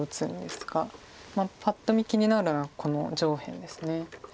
パッと見気になるのはこの上辺です。